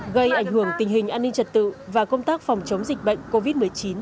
gây ảnh hưởng tình hình an ninh trật tự và công tác phòng chống dịch bệnh covid một mươi chín trên địa bàn